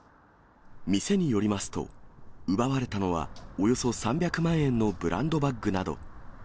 店によりますと、奪われたのは、およそ３００万円のブランドバッグなど。